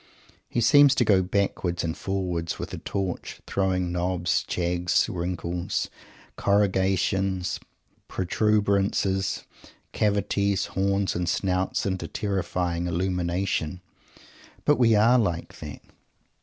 He seems to go backwards and forwards with a torch, throwing knobs, jags, wrinkles, corrugations, protuberancies, cavities, horns, and snouts into terrifying illumination. But we are like that!